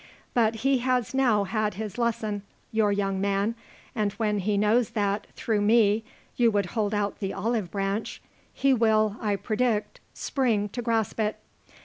But he has now had his lesson, your young man, and when he knows that, through me, you would hold out the olive branch, he will, I predict, spring to grasp it.